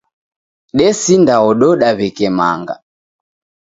Desindaododa w'eke manga.